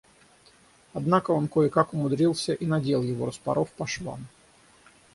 Однако он кое-как умудрился и надел его, распоров по швам.